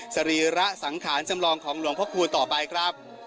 สรีระสังขารจำลองของหลวงพระครูต่อไปครับ